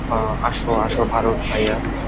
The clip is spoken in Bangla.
আসো, আসো ভারত ভাইয়া।